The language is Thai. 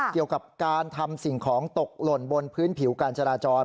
เกี่ยวกับการทำสิ่งของตกหล่นบนพื้นผิวการจราจร